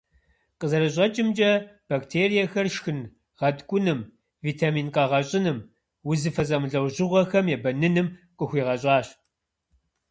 Къызэрыщӏэкӏымкӏэ, бактериехэр шхын гъэткӏуным, витамин къэгъэщӏыным, узыфэ зэмылӏэужьыгъуэхэм ебэныным къыхуигъэщӏащ.